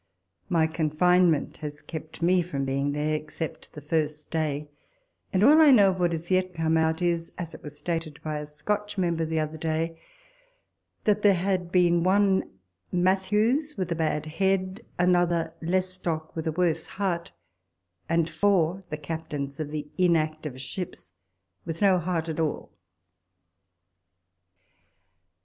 My confinement has kept me from being there, except the first day ; and all I know of what is yet come out is, as it was stated by a Scotch member the other day, " that there had been one (Matthews) with a bad head, another (Les tock) with a worse heart, and four (the captains of the inactive ships) with no heart at all."